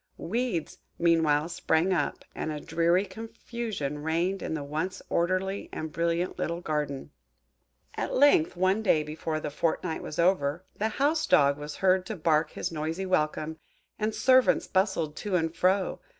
Weeds meanwhile sprang up, and a dreary confusion reigned in the once orderly and brilliant little garden. At length, one day before the fortnight was over, the house dog was heard to bark his noisy welcome, and servants bustled to and fro.